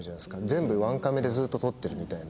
全部１カメでずっと撮ってるみたいな。